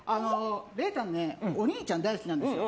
れーたんねお兄ちゃん大好きなんですよ。